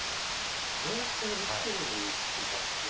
どうやって味付けのりに行き着いたんですかね？